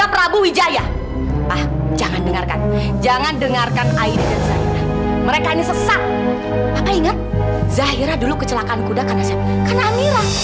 apa benar itu ikhsan